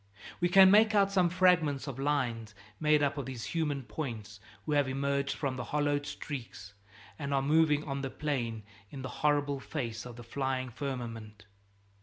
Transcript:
We can make out some fragments of lines made up of these human points who have emerged from the hollowed streaks and are moving on the plain in the horrible face of the flying firmament.